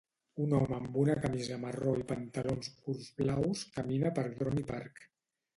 Un home amb una camisa marró i pantalons curts blaus camina per Droney Park.